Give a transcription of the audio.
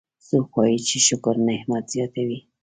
څوک وایي چې شکر نعمت زیاتوي